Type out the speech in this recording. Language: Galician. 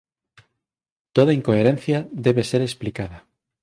Toda incoherencia debe ser explicada.